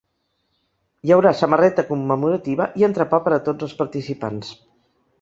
Hi haurà samarreta commemorativa i entrepà per a tots els participants.